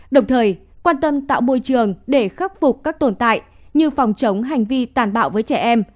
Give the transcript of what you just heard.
đồng thời quan tâm tạo môi trường để khắc phục các tồn tại như phòng chống hành vi tàn bạo với trẻ em